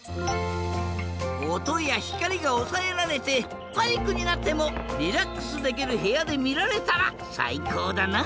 おとやひかりがおさえられてパニックになってもリラックスできるへやでみられたらさいこうだな。